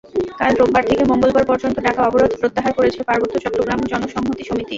কাল রোববার থেকে মঙ্গলবার পর্যন্ত ডাকা অবরোধ প্রত্যাহার করেছে পার্বত্য চট্টগ্রাম জনসংহতি সমিতি।